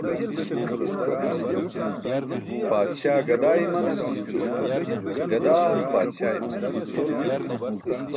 Paadśaa gadaa imanas, gadaa paadśaa imanas.